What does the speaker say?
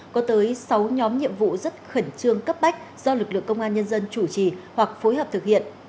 có tới sáu nhóm nhiệm vụ rất khẩn trương cấp bách do lực lượng công an nhân dân chủ trì hoặc phối hợp thực hiện